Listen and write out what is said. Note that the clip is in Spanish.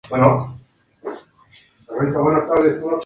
Sin embargo, el proyecto se pospuso debido a la grave crisis económica.